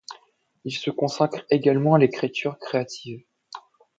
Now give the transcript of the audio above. Il se consacre également à l'écriture créative.